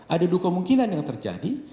ada dua kemungkinan yang terjadi